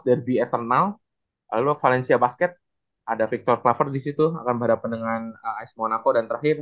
derby eternal lalu valencia basket ada victor clover disitu akan berhadapan dengan ice monaco dan terakhir